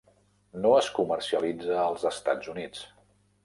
No es comercialitza als Estats Units.